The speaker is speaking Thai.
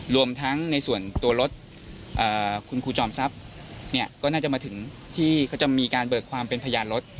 รวมทั้งในส่วนตัวรถคุณครูจอมทรัพย์เนี่ยก็น่าจะมาถึงที่เขาจะมีการเบิกความเป็นพยานรถ